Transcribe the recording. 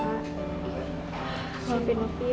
bambin opi ya